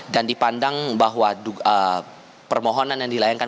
dan dipandang bahwa permohonan yang dilakukan